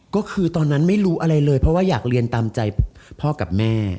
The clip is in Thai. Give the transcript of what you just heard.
ก็คือตอนนั้นไม่รู้อะไรเลยเพราะว่าอยากเรียนตามใจพ่อกับแม่